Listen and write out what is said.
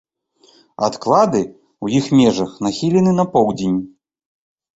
Адклады ў іх межах нахілены на поўдзень.